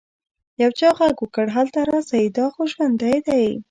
يو چا ږغ وکړ هلته راسئ دا خو ژوندى دى.